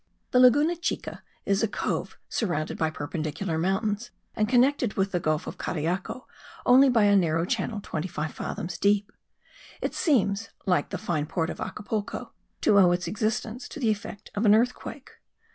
The Laguna Chica is a cove surrounded by perpendicular mountains, and connected with the gulf of Cariaco only by a narrow channel twenty five fathoms deep. It seems, like the fine port of Acapulco, to owe its existence to the effect of an earthquake.